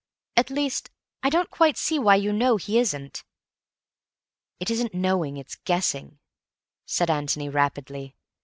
"At least, I don't quite see why you know he isn't." "It isn't 'knowing,' it's 'guessing,'" said Antony rapidly.